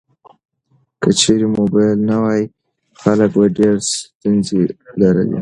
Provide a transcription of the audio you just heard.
که چیرې موبایل نه وای، خلک به ډیر ستونزې لرلې.